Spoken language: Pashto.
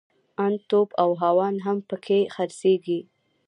ان توپ او هاوان هم پکښې خرڅېږي.